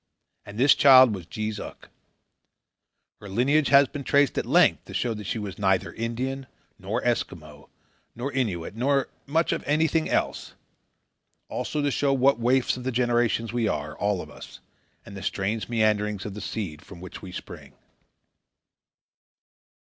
And this child was Jees Uck. Her lineage has been traced at length to show that she was neither Indian, nor Eskimo, nor Innuit, nor much of anything else; also to show what waifs of the generations we are, all of us, and the strange meanderings of the seed from which we spring.